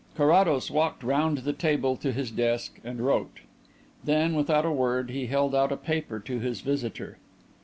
Carrados walked round the table to his desk and wrote. Then, without a word, he held out a paper to his visitor.